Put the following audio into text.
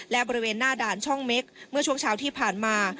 และบริเวณหน้าด่านช่องเม็กเมื่อช่วงเช้าที่ผ่านมา